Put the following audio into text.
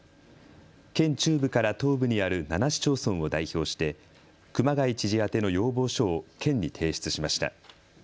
県中部から東部にある７市町村を代表して熊谷知事宛ての要望書を県に提出しました。